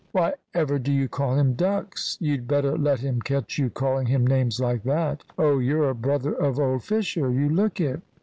"Why ever do you call him ducks? You'd better let him catch you calling him names like that. Oh, you're a brother of old Fisher? You look it."